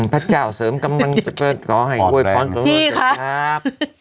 พระเจ้าเสริมกำลังจะเปิดขอให้โดยพรสวัสดีครับ